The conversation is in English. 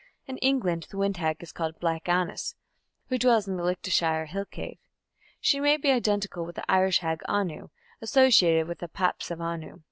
In England the wind hag is Black Annis, who dwells in a Leicestershire hill cave. She may be identical with the Irish hag Anu, associated with the "Paps of Anu".